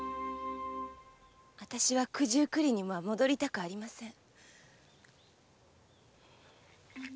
あたしは九十九里には戻りたくありません。